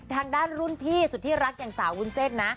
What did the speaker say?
ทางด้านรุ่นพี่สุดที่รักอย่างสาววุ้นเส้นนะ